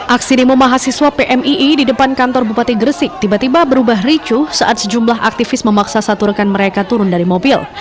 aksi demo mahasiswa pmii di depan kantor bupati gresik tiba tiba berubah ricuh saat sejumlah aktivis memaksa satu rekan mereka turun dari mobil